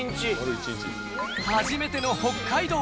初めての北海道。